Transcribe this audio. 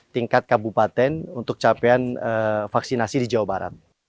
tingkat kabupaten untuk capaian vaksinasi di jawa barat